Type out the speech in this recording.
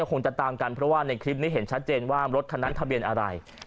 คงจะตามกันเพราะว่าในคลิปนี้เห็นชัดเจนว่ารถคันนั้นทะเบียนอะไร